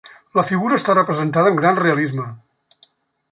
La figura està representada amb gran realisme.